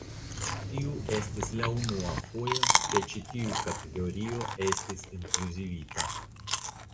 Tiu estis la unua fojo ke ĉi tiu kategorio estis inkluzivita.